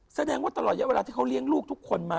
แสดงว่าตลอดเยอะเวลาที่เขาเลี้ยงลูกทุกคนมา